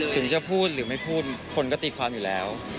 ถึงจะพูดหรือไม่พูดคนก็ตีความอยู่แล้ว